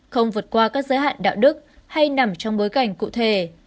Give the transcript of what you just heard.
không vượt qua các giới hạn đạo đức hay nằm trong bối cảnh cụ thể